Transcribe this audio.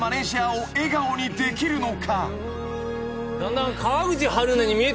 だんだん。